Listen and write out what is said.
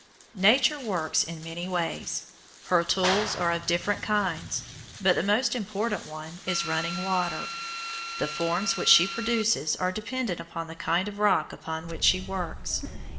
Nature works in many ways. Her tools are of different kinds, but the most important one is running water. The forms which she produces are dependent upon the kind of rock upon which she works.